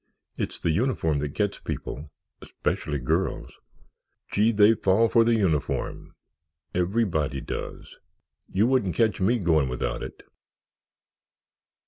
"It's the uniform that gets people—specially girls. Gee, they all fall for the uniform—everybody does. You wouldn't catch me going without it."